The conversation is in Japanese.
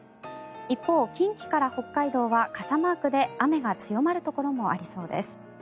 一方、近畿から北海道は傘マークで雨が強まるところもありそうです。